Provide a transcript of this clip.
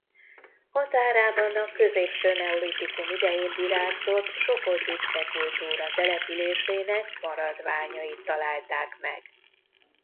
Határában a középső neolitikum idején virágzott Sopot-Bicske kultúra településének maradványait találták meg.